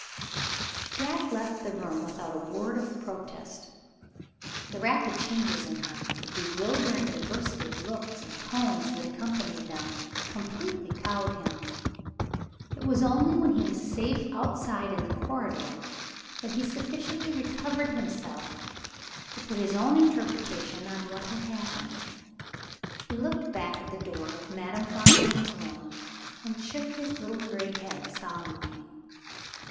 Jack left the room without a word of protest. The rapid changes in her, the bewildering diversity of looks and tones that accompanied them, completely cowed him. It was only when he was safe outside in the corridor, that he sufficiently recovered himself to put his own interpretation on what had happened. He looked back at the door of Madame Fontaine's room, and shook his little gray head solemnly.